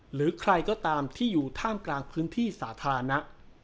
หรือใครก็ตามที่อยู่ท่ามกลางพื้นที่สาธารณะ